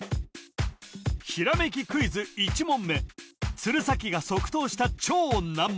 ひらめきクイズ１問目鶴崎が即答した超難問